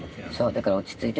だから落ち着いて。